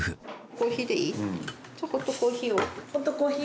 コーヒーでいい？